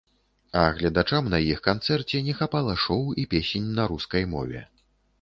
А гледачам на іх канцэрце не хапала шоў і песень на рускай мове.